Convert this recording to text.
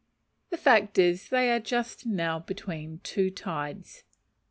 The fact is they are just now between two tides.